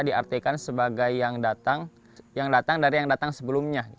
diartikan sebagai yang datang dari yang datang sebelumnya